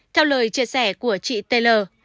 theo lời chia sẻ của chị taylor